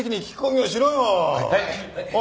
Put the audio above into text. はい。